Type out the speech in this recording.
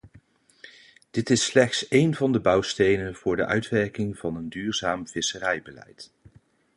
Dit is slechts een van de bouwstenen voor de uitwerking van een duurzaam visserijbeleid.